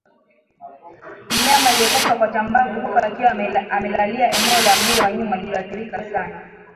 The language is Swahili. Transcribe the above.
Mnyama aliyekufa kwa chambavu hufa akiwa amelalia eneo la mguu wa nyuma lililoathirika sana